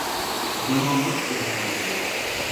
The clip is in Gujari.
جنو مچ پریشان ہویو